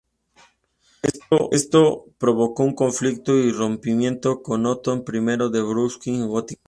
Esto provocó un conflicto y rompimiento con Otón I de Brunswick-Gotinga.